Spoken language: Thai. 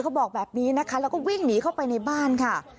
บอกแบบนี้นะคะแล้วก็วิ่งหนีเข้าไปในบ้านค่ะ